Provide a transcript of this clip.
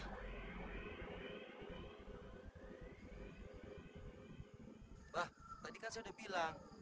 mbah tadi kan saya sudah bilang